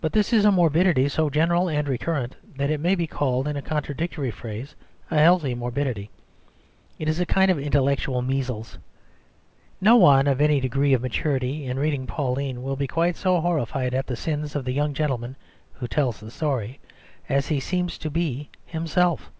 But this is a morbidity so general and recurrent that it may be called in a contradictory phrase a healthy morbidity; it is a kind of intellectual measles. No one of any degree of maturity in reading Pauline will be quite so horrified at the sins of the young gentleman who tells the story as he seems to be himself.